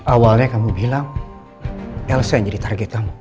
awalnya kamu bilang elsa yang jadi target kamu